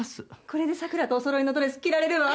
これで桜とおそろいのドレス着られるわ！